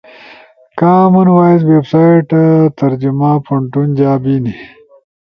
امن وائس ویب سائٹ ترجمہ پونٹون جا بینی۔